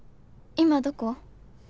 今どこ？」。